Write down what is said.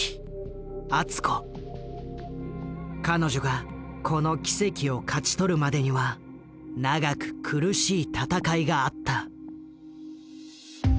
彼女がこの奇跡を勝ち取るまでには長く苦しい闘いがあった。